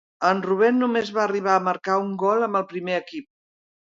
En Rubén només va arribar a marcar un gol amb el primer equip.